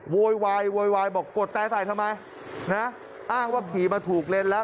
โวยวายโวยวายบอกกดแต่ใส่ทำไมนะอ้างว่าขี่มาถูกเลนแล้ว